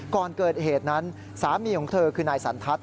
ก่อนเกิดเหตุนั้นสามีของเธอคือนายสันทัศน